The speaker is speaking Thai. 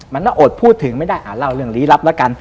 มันน่าโอดพูดถึงไม่ได้อ่าเล่าเรื่องหลีรับละกัน